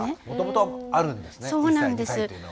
もともとあるんですね。